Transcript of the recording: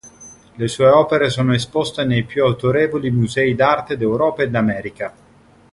Le sue opere sono esposte nei più autorevoli musei d'arte d'Europa e d'America.